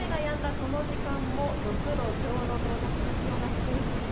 この時間も６度ちょうどととても気温が低いんです。